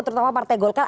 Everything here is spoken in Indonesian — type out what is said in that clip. terutama partai golkar